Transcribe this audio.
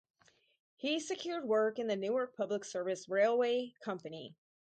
He secured work in the Newark Public Service Railway Company.